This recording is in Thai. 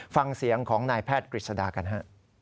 ฟังเสียงของนายแพทย์กฤษฎากันฮะ